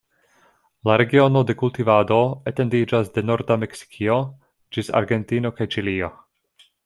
La regiono de kultivado etendiĝas de norda Meksikio ĝis Argentino kaj Ĉilio.